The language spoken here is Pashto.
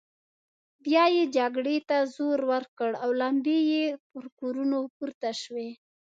بيا يې جګړې ته زور ورکړ او لمبې يې پر کورونو پورته شوې.